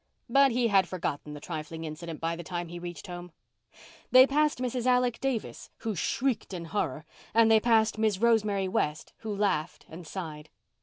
But he had forgotten the trifling incident by the time he reached home. They passed Mrs. Alec Davis, who shrieked in horror, and they passed Miss Rosemary West who laughed and sighed.